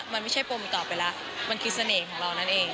มันไม่ใช่ปมต่อไปแล้วมันคือเสน่ห์ของเรานั่นเอง